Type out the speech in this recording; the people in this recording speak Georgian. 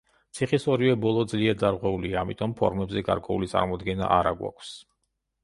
ციხის ორივე ბოლო ძლიერ დარღვეულია, ამიტომ ფორმებზე გარკვეული წარმოდგენა არა გვაქვს.